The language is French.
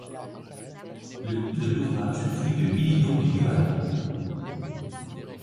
Le coût de l'ouvrage fut de millions de yuans.